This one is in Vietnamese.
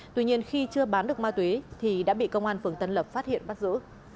tuy nhiên khi chưa bán được ma túy thì đã bị công an phường tân lập phát hiện bắt giữ